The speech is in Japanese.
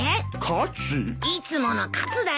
いつもの喝だよ。